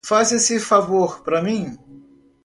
Faz esse favor pra mim